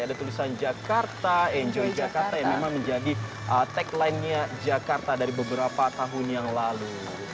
ada tulisan jakarta enjoy jakarta yang memang menjadi tagline nya jakarta dari beberapa tahun yang lalu